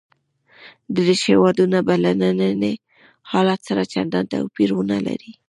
دېرش هېوادونه به له ننني حالت سره چندان توپیر ونه لري.